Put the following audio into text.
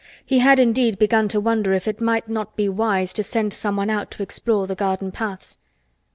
He had indeed begun to wonder if it might not be wise to send someone out to explore the garden paths.